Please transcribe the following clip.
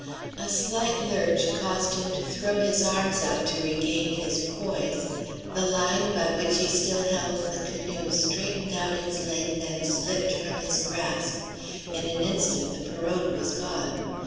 A slight lurch caused him to throw his arms out to regain his poise; the line by which he still held the canoe straightened out its length and slipped from his grasp. In an instant the pirogue was gone.